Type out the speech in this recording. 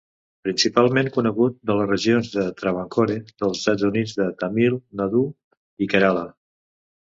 Principalment conegut de les regions de Travancore dels estats de Tamil Nadu i Kerala.